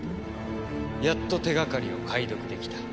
やっと手掛かりを解読できた。